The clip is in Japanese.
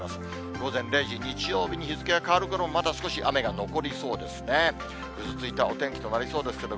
午前０時、日曜日に日付が変わるころ、まだ少し雨が残りそうですね。